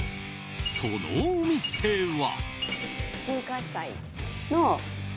そのお店は。